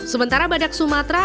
sementara badak sumatera